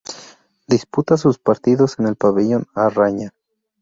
Disputa sus partidos en el "Pabellón A Raña".